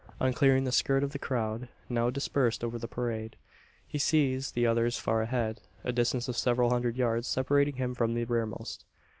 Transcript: On clearing the skirt of the crowd, now dispersed over the parade, he sees the others far ahead a distance of several hundred yards separating him from the rearmost.